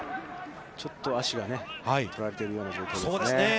ちょっと足がとられているような状況ですね。